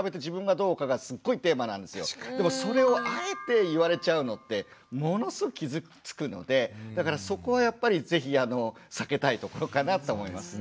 それをあえて言われちゃうのってものすごく傷つくのでだからそこはやっぱり是非避けたいところかなと思いますね。